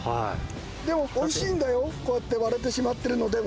でも、おいしいんだよ、こうやって割れてしまってるのでも。